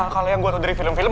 kalo yang gua tau dari film film